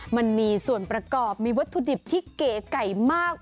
มันมีส่วนประกอบมีวัตถุดิบที่เก๋ไก่มาก